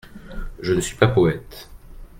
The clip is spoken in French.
Je ne suis pas poète.